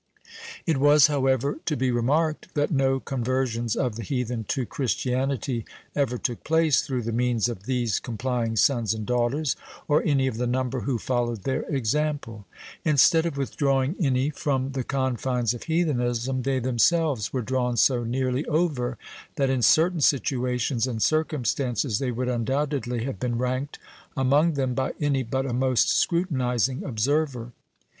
It was, however, to be remarked, that no conversions of the heathen to Christianity ever took place through the means of these complying sons and daughters, or any of the number who followed their example. Instead of withdrawing any from the confines of heathenism, they themselves were drawn so nearly over, that in certain situations and circumstances they would undoubtedly have been ranked among them by any but a most scrutinizing observer.